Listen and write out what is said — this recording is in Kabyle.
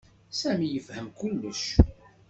Sami yefhem kullec.